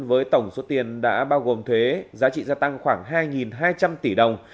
với tổng số tiền đã bao gồm thuế giá trị gia tăng khoảng hai hai trăm linh tỷ đồng